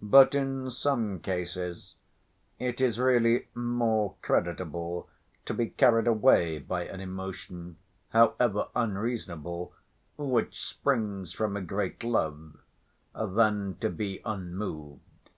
But in some cases it is really more creditable to be carried away by an emotion, however unreasonable, which springs from a great love, than to be unmoved.